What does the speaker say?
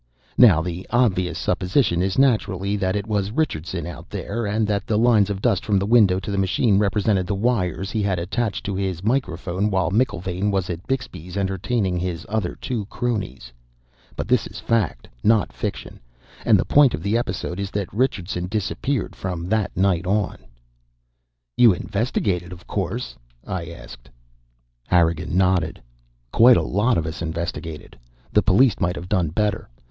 "Now the obvious supposition is naturally that it was Richardson out there, and that the lines of dust from the window to the machine represented the wires he had attached to his microphone while McIlvaine was at Bixby's entertaining his other two cronies, but this is fact, not fiction, and the point of the episode is that Richardson disappeared from that night on." "You investigated, of course?" I asked. Harrigan nodded. "Quite a lot of us investigated. The police might have done better.